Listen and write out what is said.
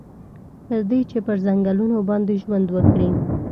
تر دې چې پر ځنګنونو باندې ژوند وکړي.